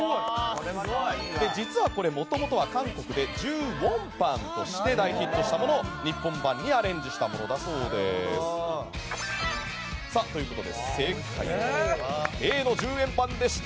実はこれ、もともとは韓国で１０ウォンパンとして大ヒットしたものを日本版にアレンジしたものだそうです。ということで正解はＡの１０円パンでした。